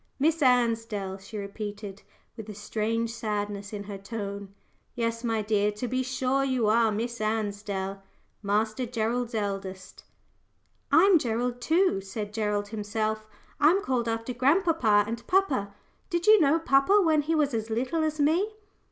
"Miss Ansdell," she repeated, with a strange sadness in her tone: "yes, my dear to be sure you are Miss Ansdell Master Gerald's eldest." "I'm Gerald, too," said Gerald himself. "I'm called after grandpapa and papa. Did you know papa when he was as little as me?"